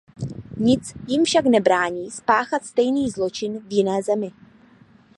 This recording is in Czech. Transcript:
Nic jim však nebrání spáchat stejný zločin v jiné zemi.